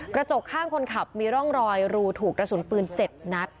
กระจกข้างคนขับมีร่องรอยรูถูกกระสุนปืน๗นัด